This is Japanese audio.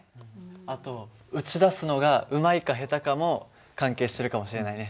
あと撃ち出すのがうまいか下手かも関係してるかもしれないね。